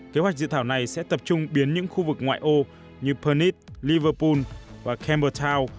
kế hoạch diễn thảo này sẽ tập trung biến những khu vực ngoại ô như pernick liverpool và camber town